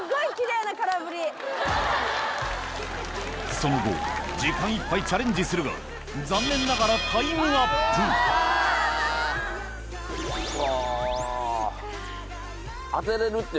その後時間いっぱいチャレンジするが残念ながらクッソ。